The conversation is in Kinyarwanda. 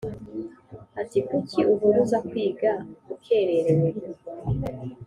ati “kuki uhora uza kwiga ukererewe?”